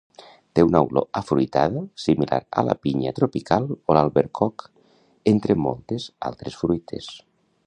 Té una olor afruitada similar a la pinya tropical o l'albercoc entre moltes altres fruites.